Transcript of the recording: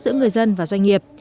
giữa người dân và doanh nghiệp